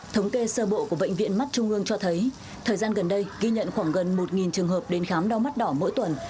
thống kê sơ bộ của bệnh viện mắt trung ương cho thấy thời gian gần đây ghi nhận khoảng gần một trường hợp đến khám đau mắt đỏ mỗi tuần